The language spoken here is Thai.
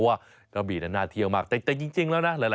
อันใหม่ยังไม่เยอะกว่า